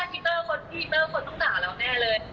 แล้วพี่มิตเตอร์บอกว่าเราเล่นฉากนี้ไปนะทั่วโลกแล้วแน่๒คนอยู่